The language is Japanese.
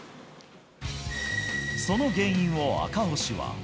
その原因を赤星は。